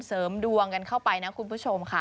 เสริมดวงกันเข้าไปนะคุณผู้ชมค่ะ